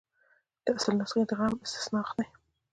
د اصل نسخې دریم استنساخ دی.